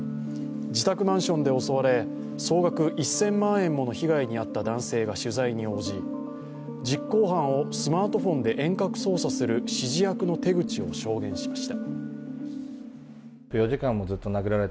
自宅マンションで襲われ、総額１０００万円もの被害に遭った男性が取材に応じ、実行犯をスマートフォンで遠隔操作する指示役の手口を証言しました。